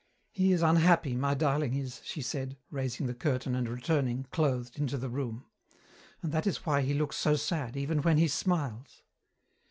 "He is unhappy, my darling is," she said, raising the curtain and returning, clothed, into the room. "And that is why he looks so sad, even when he smiles!"